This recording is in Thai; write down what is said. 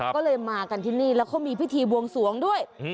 ก็เลยมากันที่นี่แล้วเขามีพิธีบวงสวงด้วย